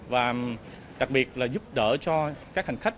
và đặc biệt là giúp đỡ cho các hành khách